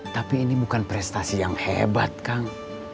tapi ini bukan prestasi yang hebat kang